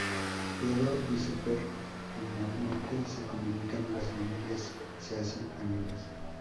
Pedro y Súper finalmente se comunican y las familias se hacen amigas.